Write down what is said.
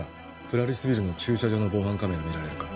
プラリスビルの駐車場の防犯カメラ見られるか？